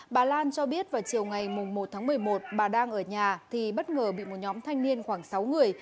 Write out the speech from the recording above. bà lan cho biết vào chiều ngày một tháng một mươi một bà đang ở nhà thì bất ngờ bị một nhóm thanh niên khoảng sáu người